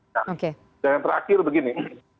diterima oke dan yang terakhir begini